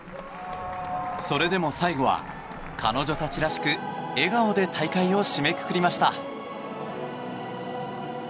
それでも最後は彼女たちらしく笑顔で大会を締めくくりました。